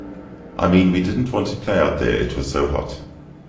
I mean we didn't want to play out there it was so hot.